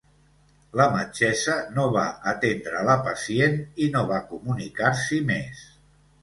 La metgessa no va atendre la pacient i no va comunicar-s’hi més.